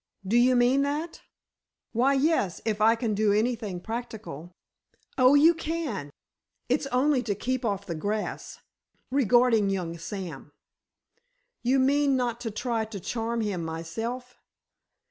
"Do you mean that?" "Why, yes, if I can do anything practical." "Oh, you can! It's only to keep off the grass, regarding young Sam." "You mean not to try to charm him myself?"